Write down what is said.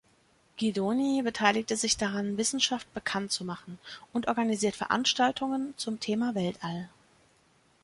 Guidoni beteiligt sich daran, Wissenschaft bekannt zu machen, und organisiert Veranstaltungen zum Thema Weltall.